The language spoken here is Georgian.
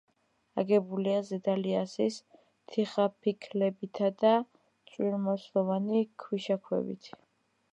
აგებულია ზედა ლიასის თიხაფიქლებითა და წვრილმარცვლოვანი ქვიშაქვებით.